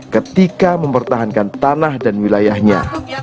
ketika mempertahankan tanah dan wilayahnya